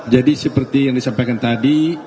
jadi seperti yang disampaikan tadi